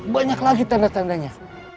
banyak lagi tanda tandanya